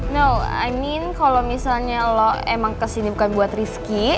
no i mean kalo misalnya lo emang kesini bukan buat rizky